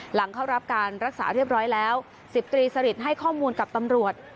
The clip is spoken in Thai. หลังเข้ารับการรักษาเรียบร้อยแล้ว๑๐ตรีสริทให้ข้อมูลกับตำรวจ